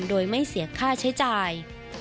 โดยไม่เสียค่าใช้จ่าย